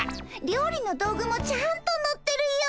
料理の道具もちゃんと乗ってるよ。